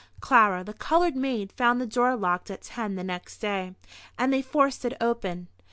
Clara, the coloured maid, found the door locked at 10 the next day, and they forced it open.